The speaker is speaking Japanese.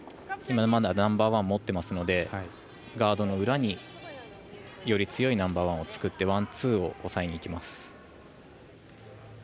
まだナンバーワン持っていますのでガードの裏により強いナンバーワンを作ってワン、ツーを抑えにいきます。